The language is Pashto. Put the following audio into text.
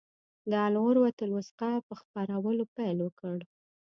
د العروة الوثقی په خپرولو پیل وکړ.